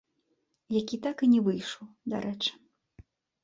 Які так і не выйшаў, дарэчы.